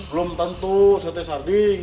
belum tentu setiap hari